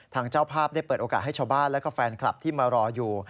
เจ้าภาพได้เปิดโอกาสให้ชาวบ้านและก็แฟนคลับที่มารออยู่